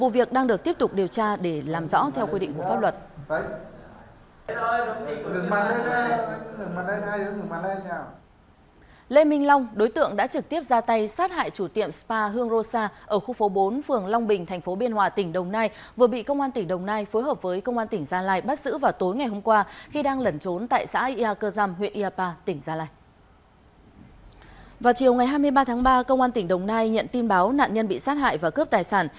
vào chiều ngày hai mươi ba tháng ba công an tỉnh đồng nai nhận tin báo nạn nhân bị sát hại và cướp tài sản